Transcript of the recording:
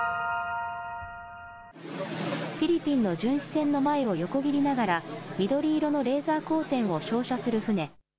フィリピンの巡視船の前を横切りながら、緑色のレーザー光線を照射する船。